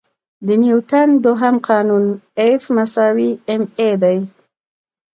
د نیوټن دوهم قانون F=ma دی.